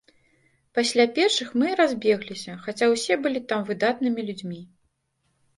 Пасля першых мы і разбегліся, хаця ўсе былі там выдатнымі людзьмі.